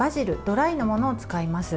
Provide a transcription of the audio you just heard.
ドライのものを使います。